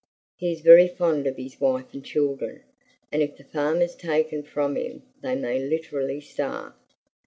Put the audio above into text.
"He is very fond of his wife and children, and if the farm is taken from him they may literally starve.